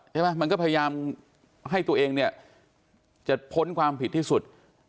มันก็พยายามให้ตัวเองเนี่ยจะพ้นความผิดที่สุด